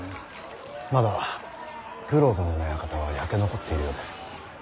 まだ九郎殿の館は焼け残っているようです。